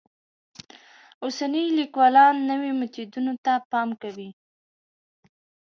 اوسني لیکوالان نویو میتودونو ته پام کوي.